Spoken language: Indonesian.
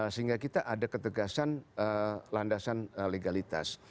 sehingga kita ada ketegasan landasan legalitas